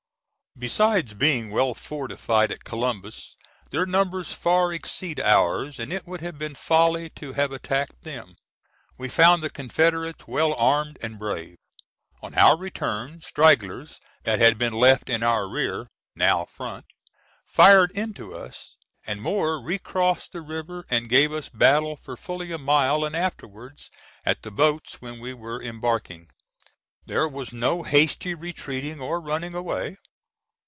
Besides being well fortified at Columbus their numbers far exceed ours, and it would have been folly to have attacked them. We found the Confederates well armed and brave. On our return, stragglers that had been left in our rear, now front, fired into us, and more recrossed the river and gave us battle for fully a mile and afterwards at the boats when we were embarking. There was no hasty retreating or running away.